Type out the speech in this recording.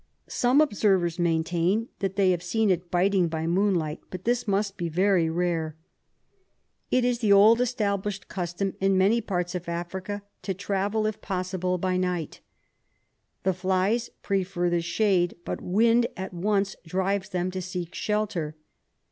Some observers maintain they have seen it biting by moonlight, but this must be very rare. It is the old SLEEPING SICKNESS 39 established custom, in many parts of Africa, to travel, if possible, by night. The flies prefer the shade, but wind at once drives them to seek shelter.